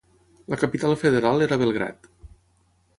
La capital federal era Belgrad.